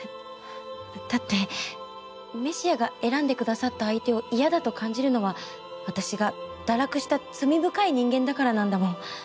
だってメシアが選んで下さった相手を嫌だと感じるのは私が堕落した罪深い人間だからなんだもん。